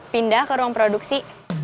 pindah ke ruang produksi